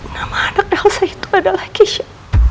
nama anak elsa itu adalah keisha